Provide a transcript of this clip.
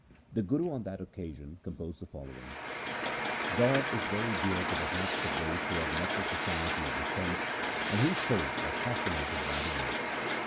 The Guru on that occasion composed the following :— God is very dear to the hearts of those who have met the society of the saints and whose souls are fascinated by the Word.